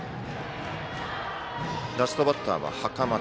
ラストバッターは袴田。